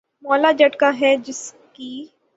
’مولا جٹ‘ کا ہے جس کی